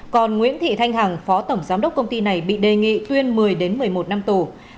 còn nguyễn thị thanh hằng phó tổng giám đốc công ty này bị đề nghị tuyên một mươi một mươi một năm tù